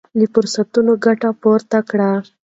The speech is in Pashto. له فرصتونو ګټه پورته کړئ.